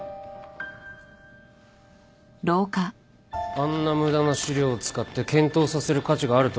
あんな無駄な資料を使って検討させる価値があるとは思えません。